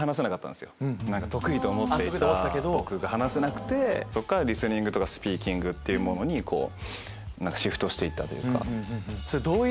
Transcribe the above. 得意と思っていた語句が話せなくてそっからリスニングとかスピーキングっていうものにシフトして行ったというか。